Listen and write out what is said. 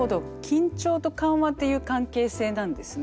緊張と緩和っていう関係性なんですね。